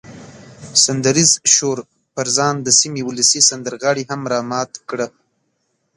سندریز شور پر ځان د سیمې ولسي سندرغاړي هم را مات کړه.